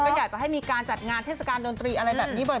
ก็อยากจะให้มีการจัดงานเทศกาลดนตรีอะไรแบบนี้บ่อย